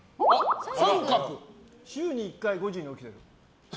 週に１回、５時に起きてる。